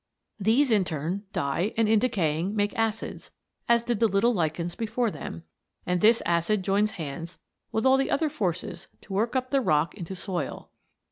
These, in turn, die and, in decaying, make acids, as did the little lichens before them, and this acid joins hands with all the other forces to work up the rock into soil.